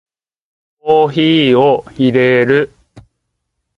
コーヒーを淹れる